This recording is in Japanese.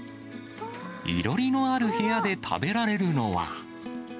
囲炉裏のある部屋で食べられるのは。